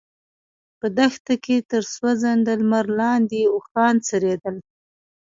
په دښته کې تر سوځنده لمر لاندې اوښان څرېدل.